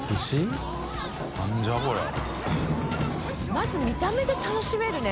まず見た目で楽しめるね。